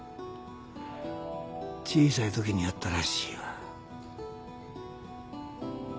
小さいときにやったらしいわ。